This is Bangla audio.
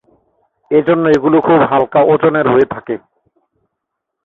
এজন্য এগুলো খুব হালকা ওজনের হয়ে থাকে।